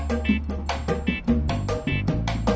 yang biu hatinya kayak gini ya